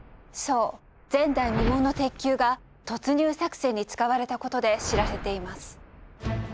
そう前代未聞の鉄球が突入作戦に使われた事で知られています。